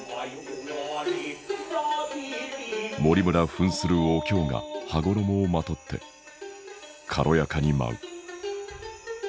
森村ふんするお京が羽衣をまとって軽やかに舞う。